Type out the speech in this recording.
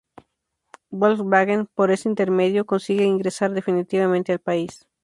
Volkswagen por ese intermedio consigue ingresar definitivamente al país.